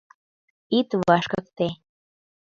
Ит вашкыкте.